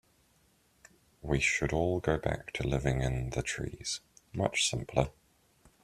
We should all go back to living in the trees, much simpler.